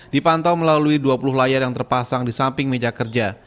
dipantau melalui dua puluh layar yang terpasang di samping meja kerja